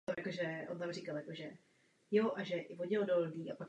Obec je rovněž zapojena do systému veřejné autobusové dopravy v aglomeraci Jeruzalému.